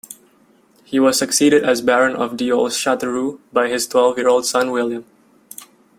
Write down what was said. He was succeeded as baron of Deols-Chateroux by his twelve-year-old son William.